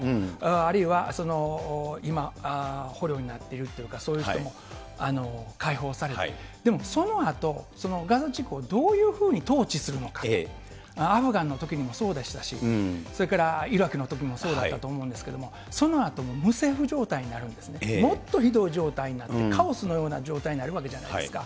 あるいは今、捕虜になっているというか、そういう人も解放されて、でもそのあと、ガザ地区をどういうふうに統治するのか、アフガンのときにもそうでしたし、それからイラクのときもそうだったと思うんですけど、そのあと、無政府状態になるんですね、もっとひどい状態になって、カオスのような状態になるわけじゃないですか。